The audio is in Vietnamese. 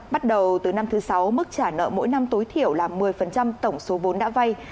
bắt đầu từ năm thứ sáu mức trả nợ mỗi năm tối thiểu là một mươi tổng số vốn đã vay